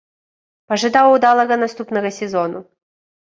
Пажадаў удалага наступнага сезону.